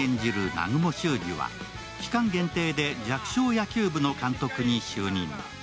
南雲脩司は期間限定で弱小野球部の監督に就任。